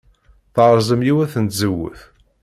Terẓem yiwet n tzewwut.